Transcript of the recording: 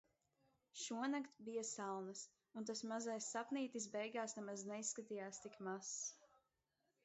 Šonakt bija salnas. Un tas mazais sapnītis beigās nemaz neizskatījās tik mazs.